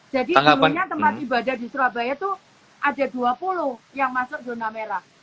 jadi dulunya tempat ibadah di surabaya itu ada dua puluh yang masuk zona merah